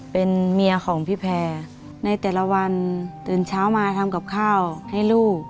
เป็นเมียของพี่แพรในแต่ละวันตื่นเช้ามาทำกับข้าวให้ลูก